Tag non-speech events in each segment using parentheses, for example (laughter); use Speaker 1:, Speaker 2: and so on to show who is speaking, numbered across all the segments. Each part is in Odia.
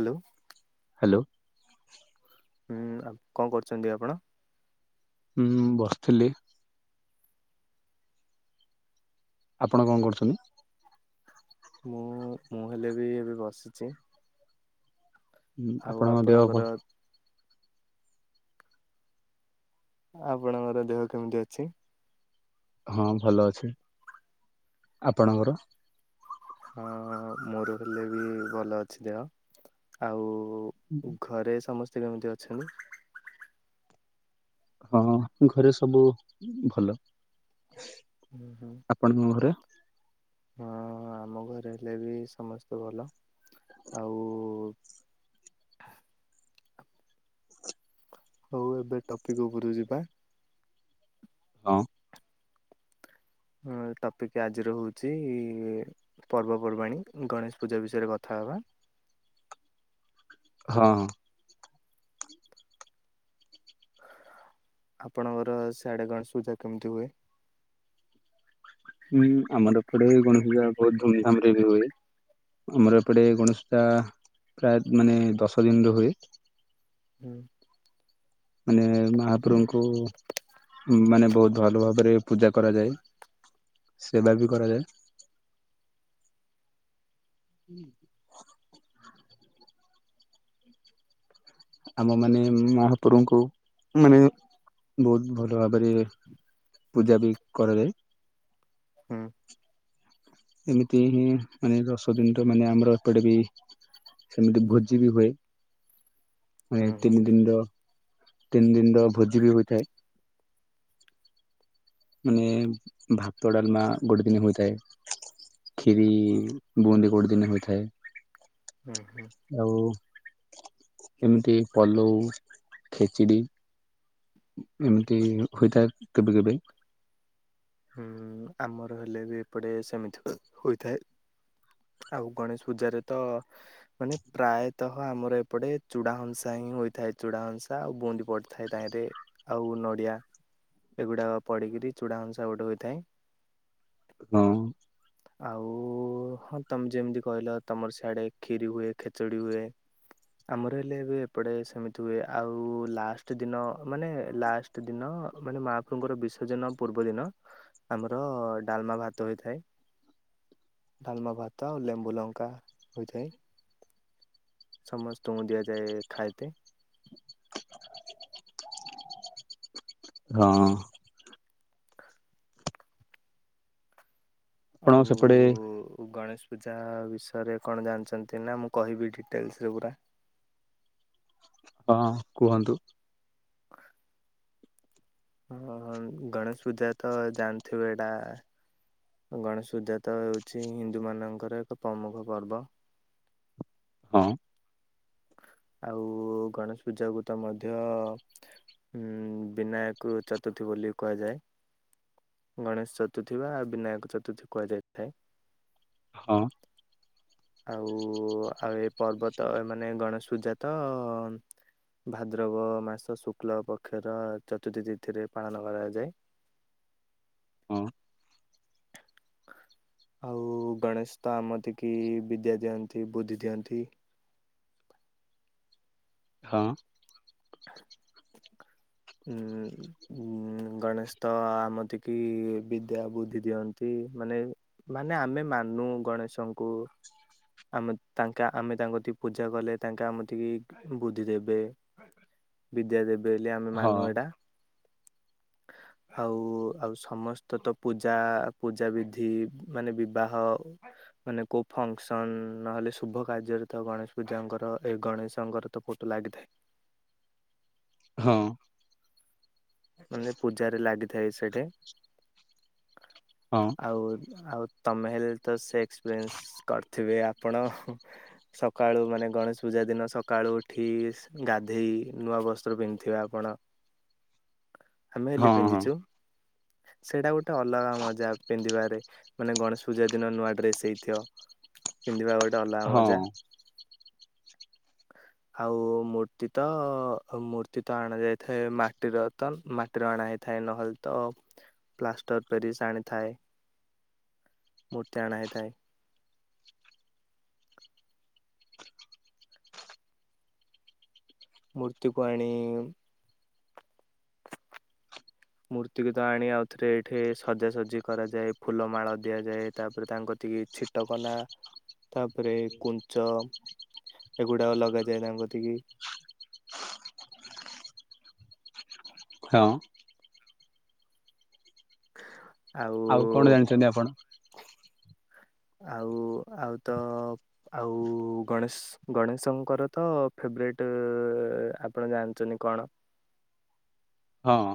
Speaker 1: ହ୍ୟାଲୋ।
Speaker 2: ହ୍ୟାଲୋ।
Speaker 1: ହୁଁ କଣ କରୁଛନ୍ତି ଆପଣ?
Speaker 2: ହୁଁ ବସିଥିଲି। ଆପଣ କଣ କରୁଛନ୍ତି?
Speaker 1: ମୁଁ ମୁଁ ହେଲେବି ଏବେ ବସିଛି।
Speaker 2: ହୁଁ
Speaker 1: ଆଉ
Speaker 2: ଆପଣଙ୍କ ଦେହ
Speaker 1: ଆପଣଙ୍କର
Speaker 2: ଭ
Speaker 1: ଆପଣଙ୍କର ଦେହ କେମିତି ଅଛି?
Speaker 2: ହଁ ଭଲ ଅଛି, ଆପଣଙ୍କର?
Speaker 1: ହଁ ମୋର ହେଲେ ବି ଭଲ ଅଛି ଦେହ ଆଉ ଘରେ ସମସ୍ତେ କେମିତି ଅଛନ୍ତି?
Speaker 2: ହଁ ଘରେ ସବୁ ଭଲ।
Speaker 1: ହୁଁ ହୁଁ।
Speaker 2: ଆପଣଙ୍କ ଘରେ?
Speaker 1: ହଁ ଆମ ଘରେ ହେଲେ ବି ସମସ୍ତେ ଭଲ ଆଉ ହଉ ଏବେ ଟପିକ୍ ଉପରକୁ ଯିବା।
Speaker 2: ହଁ।
Speaker 1: ହଁ ଟପିକ୍ ଆଜିର ହଉଛି ପର୍ବପର୍ବାଣି ଗଣେଶ ପୂଜା ବିଷୟରେ କଥା ହବା।
Speaker 2: ହଁ।
Speaker 1: ଆପଣଙ୍କର ସିଆଡ଼େ ଗଣେଶ ପୂଜା କେମିତି ହୁଏ?
Speaker 2: ହୁଁ ଆମର ଏପଟେ ଗଣେଶ ପୂଜା ବହୁତ ଧୁମ୍ ଧାମରେ ବି ହୁଏ। ଆମର ଏପଟେ ଗଣେଶ ପୂଜା ପ୍ରାୟ ମାନେ ଦଶ ଦିନର ହୁଏ।
Speaker 1: ହୁଁ।
Speaker 2: ମାନେ ମହାପ୍ରବୁଙ୍କୁ ମାନେ ବହୁତ ଭଲ ଭାବରେ ପୂଜା କରାଯାଏ ସେବା ବି କରାଯାଏ। (inaudible) ଆମ ମାନେ ମହାପୁରୁଙ୍କୁ ମାନେ ବହୁତ ଭଲ ଭାବରେ ପୂଜା ବି କରାଯାଏ।
Speaker 1: ହୁଁ।
Speaker 2: ଏମିତି ହିଁ ମାନେ ଦଶଦିନର ମାନେ ଆମର ଏପଟେ ବି ସେମିତି ଭୋଜି ବି ହୁଏ। ମାନେ
Speaker 1: ହୁଁ ହୁଁ
Speaker 2: ତିନି ଦିନର ତିନି ଦିନର ଭୋଜି ବି ହୋଇଥାଏ। ମାନେ ଭାତ ଡାଲମା ଗୋଟେ ଦିନ ହୋଇଥାଏ। କ୍ଷିରି ବୁନ୍ଦୀ ଗୋଟେ ଦିନେ ହୋଇଥାଏ।
Speaker 1: ହୁଁ ହୁଁ।
Speaker 2: ଆଉ ଏମିତି ପଲଉ, ଖେଚିଡି ଏମିତି ହୋଇଥାଏ କେବେ କେବେ
Speaker 1: ହୁଁ ଆମର ହେଲେ ବି ଏପଟେ ସେମିତି ହୋଇଥାଏ। ଆଉ ଗଣେଶ ପୂଜାରେ ତ ମାନେ ପ୍ରାୟତଃ ଆମର ଏପଟେ ଚୂଡାହଂସା ହିଁ ହୋଇଥାଏ। ଚୁଡା ହଂସା ଆଉ ବୁନ୍ଦି ପଡି ଥାଏ ତାହିଁରେ ଆଉ ନଡ଼ିଆ। ଏଗୁଡ଼ାକ ପଡିକିରି ଚୂଡ଼ା ଘଂ ଆଉ ଗୋଟେ ହୋଇଥାଏ।
Speaker 2: ହଁ।
Speaker 1: (unintelligible) ଆଉ ହଁ ତମେ ଯେମିତି କହିଲ ତମର ସିଆଡ଼େ କ୍ଷୀରି ହୁଏ, ଖେଚୁଡ଼ି ହୁଏ। ଆମର ହେଲେ ଏବେ ଏପଟେ ସେମିତି ହୁଏ। ଆଉ ଲାଷ୍ଟ ଦିନ ମାନେ ଲାଷ୍ଟ ପ୍ରତଦିନ ମାନେ ମହାପ୍ରଭୁଙ୍କର ବିସର୍ଜନ ପୂର୍ବଦିନ ଆମର ଡାଲମା, ଭାତ ହୋଇଥାଏ। ଡାଲମା, ଭାତ, ଆଉ ଲେମ୍ବୁ, ଲଙ୍କା ହୋଇଥାଏ। ସମସ୍ତଙ୍କୁ ଦିଆଯାଏ ଖାଇତେ।
Speaker 2: ହଁ। ଆପଣଙ୍କ ସେପଟେ
Speaker 1: ଆଉ ଗଣେଶ ପୂଜା ବିଷୟରେ କଣ ଜାଣିଚନ୍ତି ନା ମୁଁ କହିବି ଡିଟେଲ୍ସ୍ରେ ପୁରା।
Speaker 2: ହଁ କୁହନ୍ତୁ।
Speaker 1: ହ ହଁ ଗଣେଶ ପୂଜା ତ ଜାଣିଥିବେ ଏଟା। ଗଣେଶ ପୂଜା ତ ହେଉଛି ହିନ୍ଦୁମାନଙ୍କର ଏକ ପ୍ରମୁଖ ପର୍ବ।
Speaker 2: ହଁ।
Speaker 1: ଆଉ ଗଣେଶ ପୂଜାକୁ ତ ମଧ୍ୟ ଉଁ ବିନାୟକ ଚତୁର୍ଥୀ ବୋଲି କୁହାଯାଏ। ଗଣେଶ ଚତୁର୍ଥୀ ବା ବିନାୟକ ଚତୁର୍ଥୀ କୁହା ଯାଇଥାଏ।
Speaker 2: ହଁ।
Speaker 1: ଆଉ ଆଉ ଏ ପର୍ବତ ମାନେ ଗଣେଶ ପୂଜା ତ ଭାଦ୍ରବ ମାସ ଶୁକ୍ଲ ପକ୍ଷର ଚତୁର୍ଥୀ ତିଥିରେ ପାଳନ କରାଯାଏ।
Speaker 2: ହଁ।
Speaker 1: ଆଉ ଗଣେଶ ତ ଆମତିକି ବିଦ୍ୟା ଦିଅନ୍ତି ବୁଦ୍ଧି ଦିଅନ୍ତି।
Speaker 2: ହଁ।
Speaker 1: ଉଁ। ଉଁ ଗଣେଶ ତ ଆମତି କି ବିଦ୍ୟା, ବୁଦ୍ଧି ଦିଅନ୍ତି ମାନେ ମାନେ ଆମେ ମାନୁ ଗଣେଶଙ୍କୁ। ଆମେ ତାଙ୍କେ ଆମେ ତାଙ୍କ ଟିକେ ପୂଜା କଲେ, ତାଙ୍କେ ଆମେ ଟିକେ ବୁଦ୍ଧି ଦେବେ। ବିଦ୍ୟା ଦେବେ ବୋଲି ଆମେ
Speaker 2: ହଁ
Speaker 1: ମାନୁ ଏଟା। ଆଉ ଆଉ ସମସ୍ତ ତ ପୂଜା, ପୂଜାବିଧି ମାନେ ବିବାହ ମାନେ କୋଉ ଫଙ୍କ୍ସ ନ ହେଲେ ଶୁଭ କାର୍ଯ୍ୟରେ ତ ଗଣେଶ ପୂଜାଙ୍କର ଏ ଗଣେଶଙ୍କର ତ ଫୋଟୋ ଲାଗିଥାଏ।
Speaker 2: ହଁ।
Speaker 1: ମାନେ ପୂଜାରେ ଲାଗିଥାଏ ସେଠି।
Speaker 2: ହଁ।
Speaker 1: ଆଉ ଆଉ ତମେ ହେଲେ ତ ସେ ଏକ୍ସପେର୍ନ୍ସ କରିଥିବେ ଆପଣ। ସକାଳୁ ମାନେ ଗଣେଶ ପୂଜା ଦିନ ସକାଳୁ ଉଠି ଗାଧେଇ ନୂଆ ବସ୍ତ୍ର ପିନ୍ଧିିଥିବେ ଆପଣ ଆମେ ହେଲେ
Speaker 2: ହଁ ହଁ
Speaker 1: ପିନ୍ଧିଚୁ। ସେଇଟା ଗୋଟେ ଅଲଗା ମଜା ପିନ୍ଧିବାରେ ମାନେ ଗଣେଶ ପୂଜା ଦିନ ନୂଆ ଡ୍ରେସ ହେଇଥିବ। ପିନ୍ଧିବା ଗୋଟେ ଅଲଗା ମଜା।
Speaker 2: ହଁ
Speaker 1: (inaudible) ଆଉ ମୂର୍ତ୍ତି ତ ମୂର୍ତ୍ତି ତ ଅଣାଯାଇଥାଏ ମାଟିର ତ ମାଟିର ଅଣା ହେଇଥାଏ ନହେଲ ତ ପ୍ଲାଷ୍ଟର ପେରିସ୍ ଆଣିଥାଏ ମୂର୍ତ୍ତି ଆଣା ହେଇଥାଏ। ମୂର୍ତ୍ତିକୁ ଆଣିଇ ମୂର୍ତ୍ତି ବି ତ ଆଣି ଆଉ ଥରେ ଏଠି ସଜାସଜିଜି କରାଯାଏ ଫୁଲମାଳ ଦିଆଯାଏ ତାପରେ ତାଙ୍କ ତି ଛିଟକନା ତାପରେ କୁଞ୍ଚ ଏଗୁଡା ଲଗାଯାଏ ତାଙ୍କଥିକି
Speaker 2: ହଁ କଣ
Speaker 1: ଆଉ
Speaker 2: ଜାଣିଛନ୍ତି ଆପଣ
Speaker 1: ଆଉ ଆଉ ତ ଆଉ ଗଣେଶ୍ ଗଣେଶଙ୍କର ତ ଫେବରାଇଟ ଆପଣ ଜାଣିଚନ୍ତି କଣ?
Speaker 2: ହଁ।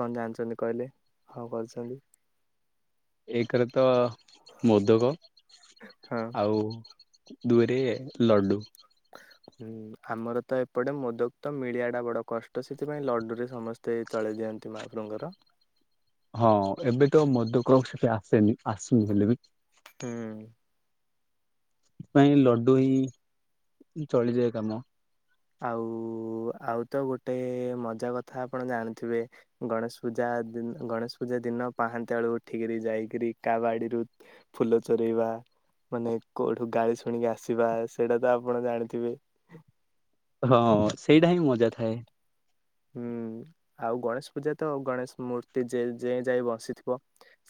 Speaker 1: କଣ ଜାଣିଛନ୍ତି କହିଲେ ହଁ କରୁଛନ୍ତି?
Speaker 2: ଏକରେ ତ ମୋଦକ
Speaker 1: ହଁ
Speaker 2: ଆଉ ଦୁଇ ରେ ଲଡୁ।
Speaker 1: ହୁଁ ଆମର ତ ଏପଟେ ମୋଦକ ତ ମିଳିଆ ଟା ବଡ କଷ୍ଟ ସେଥିପାଇଁ ଲଡୁରେ ସମ ତେ ଚଳେଇ ଦିଅନ୍ତି ମହାପ୍ରଭୁଙ୍କର।
Speaker 2: ହଁ ଏବେ ତ ମୋଦକ ସେଠି ଆସେନି ଆସୁନି ହେଲେ ବି
Speaker 1: ହୁଁ।
Speaker 2: ପାଇଁ ଲଡୁ ହିଁ ଚଳିଯାଏ କାମ।
Speaker 1: ଆଉ ଆଉ ତ ଗୋଟେ ମଜା କଥା ଆପଣ ଜାଣିଥିବେ। ଗଣେଶ ପୂଜା ଦି-ଗଣେଶ ପୂଜା ଦିନ ପାହାନ୍ତିଆ ବେଳୁ ଉଠିକିରି ଯାଇକିରି କା ବାଡିରୁ ଫୁଲ ଚୋରେଇବା ମାନେ କୋଉଠୁ ଗାଳି ଶୁଣିକି ଆସିବା ସେଇଟା ତ ଆପଣ ଜାଣିଥିବେ।
Speaker 2: ହଁ ସେଇଟା ହିଁ ମଜା ଥାଏ।
Speaker 1: ହୁଁ ଆଉ ଗଣେଶ ପୂଜା ତ ଗଣେଶ ମୂର୍ତ୍ତି ଯେ-ଯେଯାଏଁ ବସିଥିବ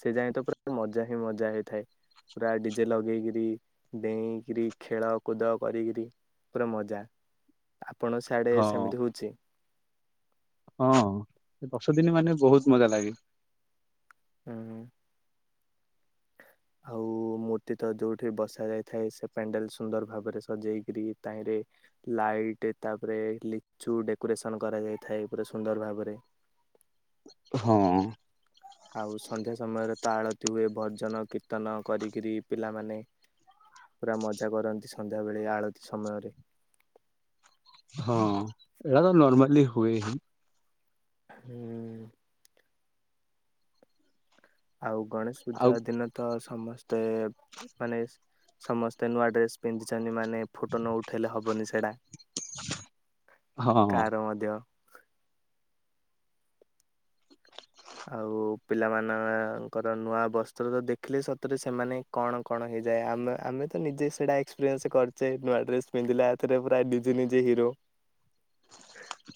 Speaker 1: ସେ ଯାଏଁ ତ ପୁରା ମଜା ହିଁ ମଜା ହେଇଥାଏ। ପୁରା ଡିଜେ ଲଗେଇକିରି ଡେଇଁକିରି ଖେଳକୁଦ କରିକିରି ପୁରା ମଜା ଆପଣ ସିଆଡେ
Speaker 2: ହଁ
Speaker 1: ସେମିତି ହଉଛି?
Speaker 2: ହଁ ସେ ଦଶଦିନି ମାନେ ବହୁତ ମଜା ଲାଗେ।
Speaker 1: ହୁଁ। ଆଉ ମୂର୍ତ୍ତି ତ ଯୋଉଠି ବସା ଯାଇଥାଏ ସେ ପ୍ୟାଣ୍ଡେଲ ସୁନ୍ଦର ଭାବରେ ସଜେଇକିରି ତାହିଁରେ ଲାଇଟ୍ ତାପରେ ଲିଚୁ ଡେକୋରେସନ କରାଯାଇଥାଏ ପୁରା ସୁନ୍ଦର ଭାବରେ
Speaker 2: ହଁ ଅଁ
Speaker 1: ଆଉ ସନ୍ଧ୍ୟା ସମୟରେ ତ ଆଳତି ହୁଏ ଭଜନ କୀର୍ତ୍ତନ କରିକିରି ପିଲାମାନେ ପୁରା ମଜା କରନ୍ତି ସନ୍ଧ୍ୟାବେଳେ ଆଳତି ସମୟରେ।
Speaker 2: ହଁ ଏଇଟା ତ ନର୍ମାଲି ହୁଏ ହିଁ।
Speaker 1: ହୁଁଉଁ ଆଉ ଗଣେଶ
Speaker 2: ଆଉ
Speaker 1: ପୂଜା ଦିନ ତ ସମସ୍ତେ ମାନେ ସ୍ ସମସ୍ତେ ନୂଆ ଡ୍ରେସ ପିନ୍ଧିଛନ୍ତି ମାନେ ଫୋଟୋ ନ ଉଠେଇଲେ ହବନି ସେଇଡ଼ା
Speaker 2: ହଁ
Speaker 1: କାର ମଧ୍ୟ ଆଉ ପିଲାମାନ ଙ୍କର ନୂଆ ବସ୍ତ୍ର ତ ଦେଖିଲେ ସତରେ ସେମାନେ କଣ କଣ ହେଇଯାଏ। ଆମେ ଆମେ ତ ନିଜେ ସେଇଟା ଏକ୍ସପିରିଏନ୍ସ କରିଛେ ନୂଆ ଡ୍ରେସ ପିନ୍ଧିଲା ଏଥେରେ ପୁରା ନିଜେ ନିଜେ ହିରୋ।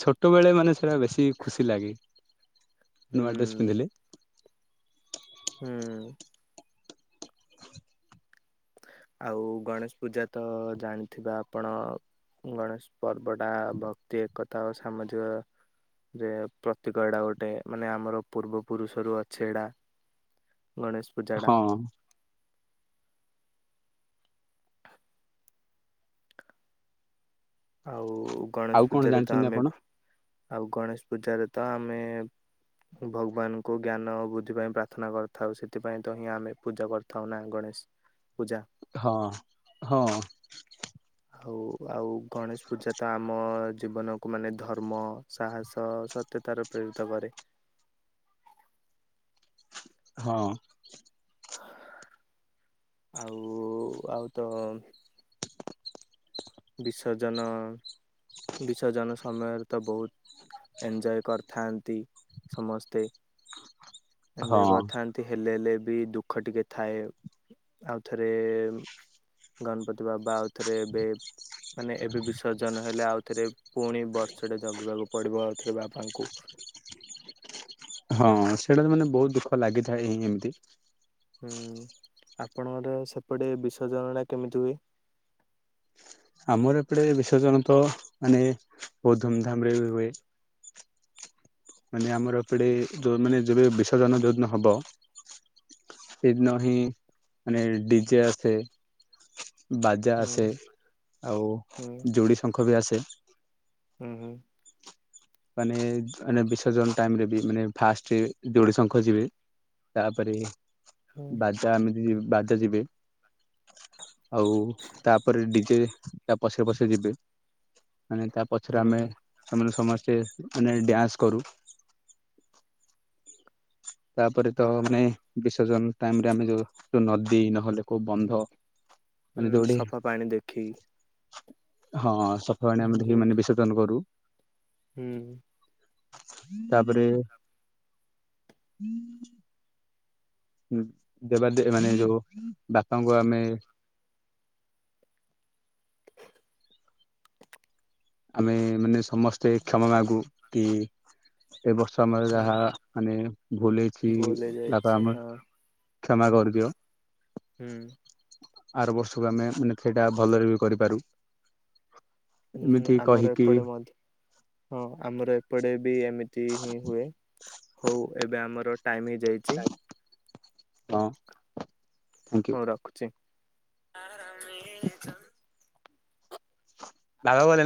Speaker 2: ଛୋଟବେଳେ ମାନେ ସେଟା ବେଶୀ ଖୁସି ଲାଗେ। ନୂଆ ଡ୍ରେସ
Speaker 1: ହୁଁ
Speaker 2: ପିନ୍ଧିଲେ।
Speaker 1: ହୁଁ। ଆଉ ଗଣେଶ ପୂଜା ତ ଜାଣିଥିବେ ଆପଣ ଗଣେଶ ପର୍ବଟା ଭକ୍ତି ଏକତା ଓ ସାମାଜିକ ରେ ପ୍ରତୀକ ଏଟା ଗୋଟେ। ମାନେ ଆମର ପୂର୍ବ ପୁରୁଷରୁ ଅଛି ଏଟା- ଗଣେଶ
Speaker 2: ହଁ।
Speaker 1: ଆଉ
Speaker 2: ଆଉ
Speaker 1: ଗଣେଶ
Speaker 2: କଣ
Speaker 1: ପୂଜାରେ ତ
Speaker 2: ଜାଣିଛନ୍ତି
Speaker 1: ଆମେ,
Speaker 2: ଆପଣ
Speaker 1: ଆଉ ଗଣେଶ ପୂଜାରେ ତ ଆମେ ଭଗବାନଙ୍କୁ ଜ୍ଞାନ ଓ ବୁଦ୍ଧି ପାଇଁ ପ୍ରାର୍ଥନା କରିଥାଉ ସେଥିପାଇଁ ତ ହିଁ ଆମେ ପୂଜା କରିଥାଉ ନା ଗଣେଶ ପୂଜା
Speaker 2: ହଁ ହଁ।
Speaker 1: ଆଉ, ଆଉ ଗଣେଶ ପୂଜା ତ ଆମ ଜୀବନକୁ ମାନେ ଧର୍ମ ସାହସ, ସତ୍ୟତାର ପ୍ରେରିତ କରେ।
Speaker 2: ହଁ।
Speaker 1: ଆଉ ଆଉ ତ ବିସର୍ଜନ, ବିସର୍ଜନ ସମୟରେ ତ ବହୁତ ଏଞଜୟ କରିଥାନ୍ତି ସମସ୍ତେ। ଏଞଜୟ
Speaker 2: ହଁ।
Speaker 1: କରିଥାନ୍ତି। ତେ ହେଲେ ହେଲେ ବି ଦୁଃଖ ଟିକେ ଥାଏ। ଆଉଥରେ ଗଣପତି ବାବା ଆଉଥରେ ଏବେ ମାନେ ଏବେ ବିସର୍ଜନ ହେଲେ ଆଉ ଥରେ ପୁଣି ବର୍ଷଟେ ଜଗିବାକୁ ପଡିବ ଆଉଥରେ ବାପାଙ୍କୁ।
Speaker 2: ହଁ ସେଇଟା ତ ମାନେ ବହୁତ ଦୁଃଖ ଲାଗିଥାଏ ହଁ ଏମିତି।
Speaker 1: ହୁଁ। ଆପଣଙ୍କର ସେପଟେ ବିସର୍ଜନ ଟା କେମିତି ହୁଏ?
Speaker 2: ଆମର ଏପଟେ ବିସର୍ଜନ ତ ମାନେ ବହୁତ ଧୁମଧାମ ରେ ବି ହୁଏ। ମାନେ ଆମର ଏପଟେ ଯୋଉ ମାନେ ଯୋଉ ବିସର୍ଜନ ଯୋଉଦିନ ହବ ସେଦିନ ହିଁ ମାନେ ଡିଜେ ଆସେ, ବାଜା
Speaker 1: ହୁଁ
Speaker 2: ଆସେ। ଆଉ
Speaker 1: ହୁଁ
Speaker 2: ଯୋଡ଼ି ଶଙ୍ଖ ବି ଆସେ।
Speaker 1: ହୁଁ ହୁଁ
Speaker 2: ମାନେ, ମାନେ ବିସର୍ଜନ ଟାଇମ ରେ ବି ମାନେ ଫାଷ୍ଟ ଯୋଡି ଶଙ୍ଖ ଯିବେ। ତାପରେ
Speaker 1: ହୁଁ
Speaker 2: ବାଜା ଏମିତି ବାଜା ଯିବେ। ଆଉ ତାପରେ ଡିଜେ ତା ପଛେ ପଛେ ଯିବେ। ମାନେ ତା ପଛରେ
Speaker 1: ହୁଁ
Speaker 2: ଆମେ
Speaker 1: ହୁଁ
Speaker 2: ସେମାନେ ସମସ୍ତେ ମାନେ ଡ୍ୟାନ୍ସ କରୁ। ତାପରେ ତ
Speaker 1: ହଁ ହଁ
Speaker 2: ମାନେ ବିସର୍ଜନ ଟାଇମ ରେ ଆମେ ଯୋଉ ନଦୀ, ନହେଲେ କୋଉ ବନ୍ଧ ମାନେ
Speaker 1: ହୁଁ
Speaker 2: ଦୌଡେ।
Speaker 1: ସଫା ପାଣି ଦେଖିକି
Speaker 2: ହଁ
Speaker 1: ଯୋଉଠୁ
Speaker 2: (unintelligible) ଜନ କରୁ।
Speaker 1: ହୁଁ
Speaker 2: ତାପରେ- ହୁଁ ଦେବାଦେବୀ ମାନେ ଯୋଉ ବାପାଙ୍କୁ ଆମେ ଆମେ ମାନେ ସମସ୍ତେ କ୍ଷମା ମାଗୁ କି ଏ ବର୍ଷ ଆମର
Speaker 1: ହୁଁ
Speaker 2: ଯାହା ମାନେ ଭୁଲ ହେଇଛି
Speaker 1: ଭୁଲ
Speaker 2: ବାପା
Speaker 1: ହେଇଯାଇଛି
Speaker 2: ଆମର
Speaker 1: ହଁ
Speaker 2: କ୍ଷମା କରଦିଅ।
Speaker 1: ହୁଁ
Speaker 2: ଆର ବର୍ଷକୁ ଆମେ ମାନେ ସେଇଟା ଭଲରେ ବି କରିପାରୁ।
Speaker 1: ଉଁ
Speaker 2: ଏମିତି
Speaker 1: ଆମର
Speaker 2: କହିକି
Speaker 1: ଏପଟେ ମ ହଁ ଆମର ଏପଟେ ବି ଏମିତି ହିଁ ହୁଏ ହଉ ଏବେ ଆମର ଟାଇମ୍ ହେଇଯାଇଚି
Speaker 2: ହଁ। ଥ୍ୟାଙ୍କ
Speaker 1: ମୁଁ ରଖୁଚି।
Speaker 2: ହ ଦାଗା ବ (unintelligible)